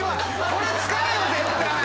これ使えよ絶対。